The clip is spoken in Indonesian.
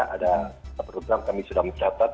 ada program kami sudah mencatat